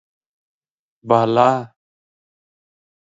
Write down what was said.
بالا: